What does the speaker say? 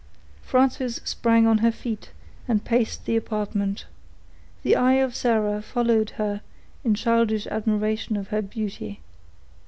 Frances sprang on her feet, and paced the apartment. The eye of Sarah followed her in childish admiration of her beauty.